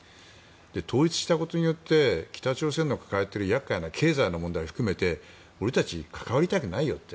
統一したことによって北朝鮮が抱えている厄介な経済の問題含めて俺たち関わりたくないよって。